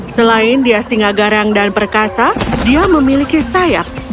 selain dia singa garang dan perkasa dia memiliki sayap